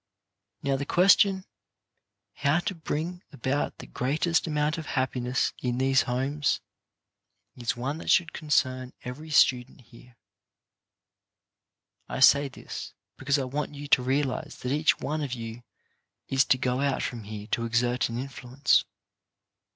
Now the question how to bring about the greatest amount of happi ness in these homes is one that should concern every student here. I say this because I want you to realize that each one of you is to go out from here to exert an influence.